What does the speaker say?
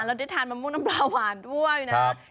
แล้วได้ทานมะม่วงน้ำปลาหวานด้วยนะครับ